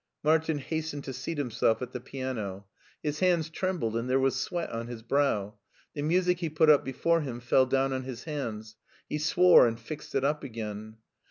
Martin hastened to seat himself at the piano. His hands trembled and there was sweat on his brow. The music he put up before him fell down on his hands. He swore and fixed it up again.